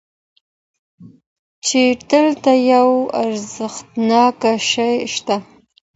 چې دلته یو ارزښتناک شی شته.